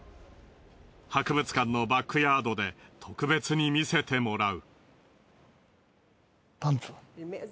博物館のバックヤードで特別に見せてもらう。